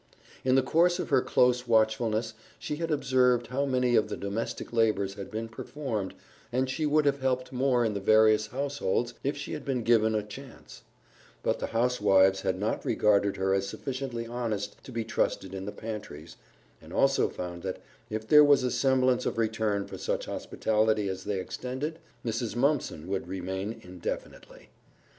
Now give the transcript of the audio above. In the course of her close watchfulness she had observed how many of the domestic labors had been performed, and she would have helped more in the various households if she had been given a chance; but the housewives had not regarded her as sufficiently honest to be trusted in the pantries, and also found that, if there was a semblance of return for such hospitality as they extended, Mrs. Mumpson would remain indefinitely.